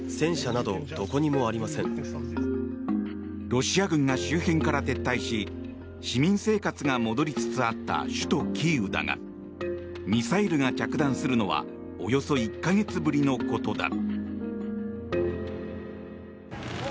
ロシア軍が周辺から撤退し市民生活が戻りつつあった首都キーウだがミサイルが着弾するのはおよそ１か月ぶりのことだ。